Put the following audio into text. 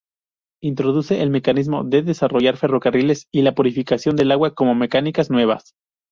Introduce el mecanismo de desarrollar ferrocarriles y la purificación del agua como mecánicas nuevas.